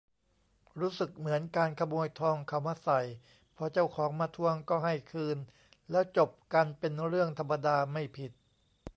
รู้สึกเหมือน การขโมยทองเขามาใส่ พอเจ้าของมาทวงก็ให้คืนแล้วจบกันเป็นเรื่องธรรมดา ไม่ผิด